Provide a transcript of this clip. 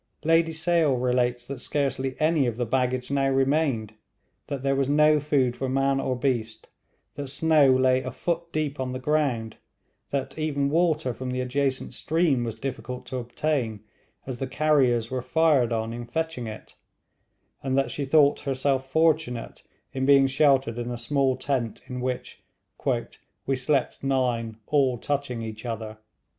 Lady Sale relates that scarcely any of the baggage now remained; that there was no food for man or beast; that snow lay a foot deep on the ground; that even water from the adjacent stream was difficult to obtain, as the carriers were fired on in fetching it; and that she thought herself fortunate in being sheltered in a small tent in which 'we slept nine, all touching each other.'